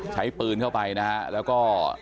ใช้ปืนเข้าไปนะฮะแล้วก็